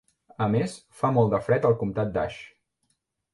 A més, fa molt de fred al comtat d'Ashe